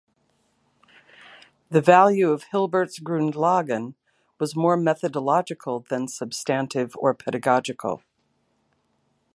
The value of Hilbert's "Grundlagen" was more methodological than substantive or pedagogical.